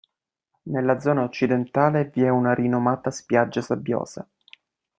Nella zona occidentale vi è una rinomata spiaggia sabbiosa.